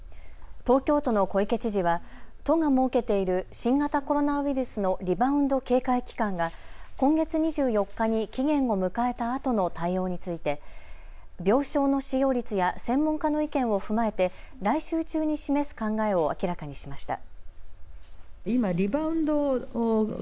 東京都の小池知事は都が設けている新型コロナウイルスのリバウンド警戒期間が今月２４日に期限を迎えたあとの対応について病床の使用率や専門家の意見を踏まえて来週中に示す考えを明らかにしました。